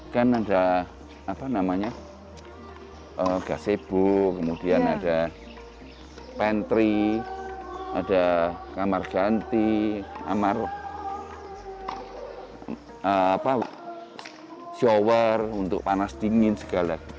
kan ada apa namanya gas e book kemudian ada pantry ada kamar ganti kamar shower untuk panas dingin segala